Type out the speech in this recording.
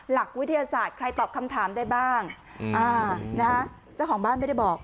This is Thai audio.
หลักวิทยาศาสตร์ใครตอบคำถามได้บ้างเจ้าของบ้านไม่ได้บอก